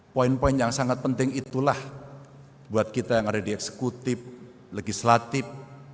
poin poin yang sangat penting itulah buat kita yang ada di eksekutif legislatif